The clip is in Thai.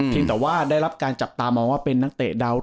แต่ว่าได้รับการจับตามองว่าเป็นนักเตะดาว